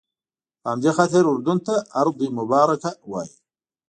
په همدې خاطر اردن ته ارض مبارکه وایي.